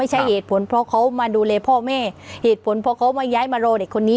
ใช้เหตุผลเพราะเขามาดูแลพ่อแม่เหตุผลเพราะเขามาย้ายมารอเด็กคนนี้